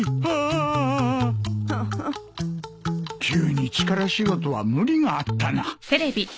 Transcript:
急に力仕事は無理があったな